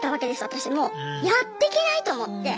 私もうやってけないと思って。